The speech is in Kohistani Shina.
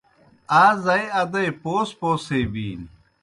آ زائی ادَئی پوس پوس ہے بِینیْ۔